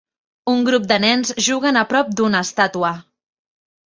Un grup de nens juguen a prop d'una estàtua.